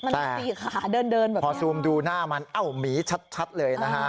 มันสี่ขาเดินเดินแบบนี้พอซูมดูหน้ามันเอ้าหมีชัดเลยนะฮะ